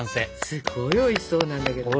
すごいおいしそうなんだけど。